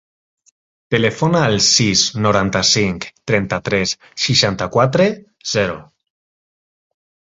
Telefona al sis, noranta-cinc, trenta-tres, seixanta-quatre, zero.